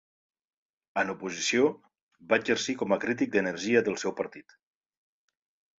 En oposició, va exercir com a crític d'energia del seu partit.